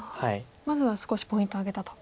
まずは少しポイントを挙げたと。